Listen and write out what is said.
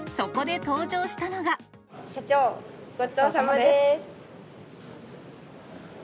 社長、ごちそうさまでーす。